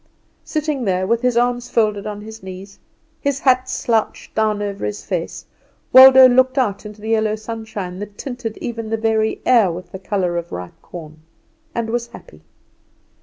Sitting there with his arms folded on his knees, and his hat slouched down over his face, Waldo looked out into the yellow sunshine that tinted even the very air with the colour of ripe corn, and was happy.